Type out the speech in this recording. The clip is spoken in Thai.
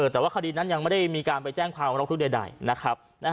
แต่ว่าคดีนั้นยังไม่ได้มีคำไปแจ้งพากับรถทุกดายนะครับ